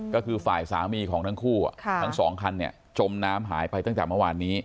ก็คือฝ่ายสามีของทั้งคู่ทั้งสองคันจมน้ำหายไปตั้งแต่เมื่อวานนี้